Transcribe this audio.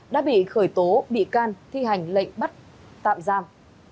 đã bị khởi tố bị can thi hành lệnh bắt tạm giam